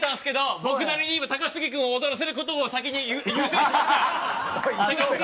僕なりに、高杉さんを踊らせることを先に、優先しました。